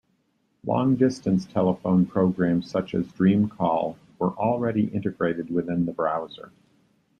Long-distance telephone programs such as Dreamcall were already integrated within the browser.